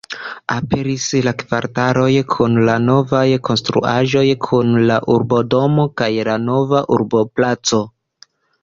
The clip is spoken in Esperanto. Aperis la kvartaloj kun la novaj konstruaĵoj kun la urbodomo kaj la nova urboplaco.